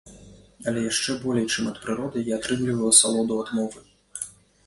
Але яшчэ болей, чым ад прыроды, я атрымліваю асалоду ад мовы.